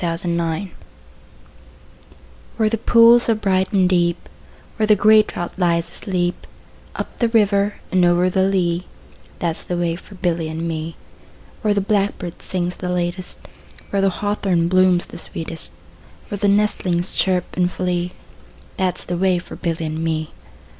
A Boy's Song WHERE the pools are bright and deep, Where the grey trout lies asleep, Up the river and over the lea, That 's the way for Billy and me. Where the blackbird sings the latest, 5 Where the hawthorn blooms the sweetest, Where the nestlings chirp and flee, That 's the way for Billy and me.